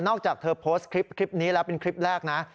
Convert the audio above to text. อกจากเธอโพสต์คลิปนี้แล้วเป็นคลิปแรกนะ